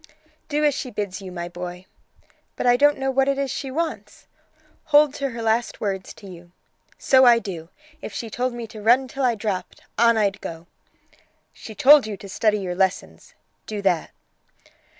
"Do as she bids you, my boy." "But I don't know what it is she wants." "Hold to her last words to you." "So I do. If she told me to run till I dropped, on I'd go." "She told you to study your lessons; do that."